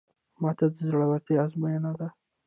ماته د زړورتیا ازموینه ده.